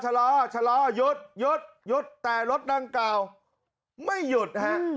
ชะล้อหยุดแต่รถนั่งกล่าวไม่หยุด